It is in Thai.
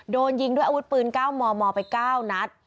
โดนยิงด้วยอาวุธปืน๙มมไป๙นัด